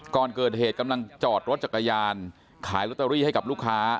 ก่อนเกิดเหตุกำลังจอดรถจักรยานขายลอตเตอรี่ให้กับลูกค้า